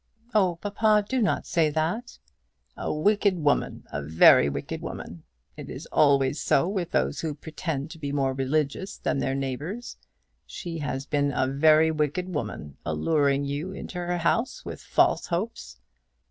"Oh, papa, do not say that." "A wicked woman. A very wicked woman. It is always so with those who pretend to be more religious than their neighbours. She has been a very wicked woman, alluring you into her house with false hopes."